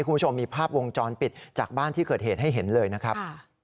คุณผู้ชมมีภาพวงจรปิดจากบ้านที่เกิดเหตุให้เห็นเลยนะครับ